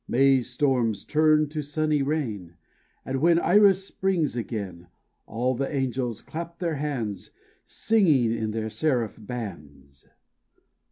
May's storms turn to sunny rain, And, when Iris springs again, All the angels clap their hands, Singing in their seraph bands.